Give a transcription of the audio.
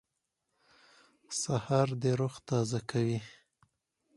سهار د روح تازه کوي.